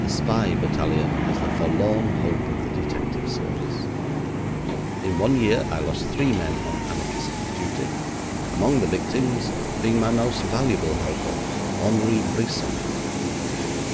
The spy battalion is the forlorn hope of the detective service. In one year I lost three men on anarchist duty, among the victims being my most valuable helper, Henri Brisson.